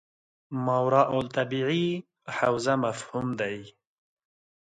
ماورا الطبیعي حوزه مفهوم دی.